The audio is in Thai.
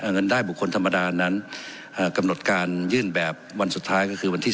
เงินได้บุคคลธรรมดานั้นกำหนดการยื่นแบบวันสุดท้ายก็คือวันที่๑